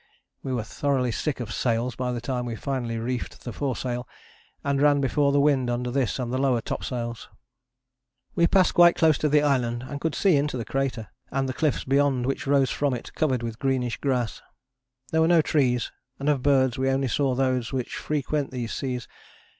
We were thoroughly sick of sails by the time we finally reefed the foresail and ran before the wind under this and lower topsails. We passed quite close to the island and could see into the crater, and the cliffs beyond which rose from it, covered with greenish grass. There were no trees, and of birds we only saw those which frequent these seas.